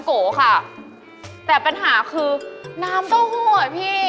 พวกแก่ไปพลังนี้